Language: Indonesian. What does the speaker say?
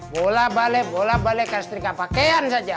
bola balik bola balik kan sendiri gak pakaian saja